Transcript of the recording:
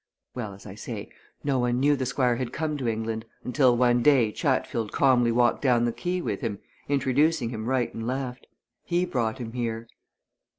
Well, as I say, no one knew the Squire had come to England, until one day Chatfield calmly walked down the quay with him, introducing him right and left. He brought him here."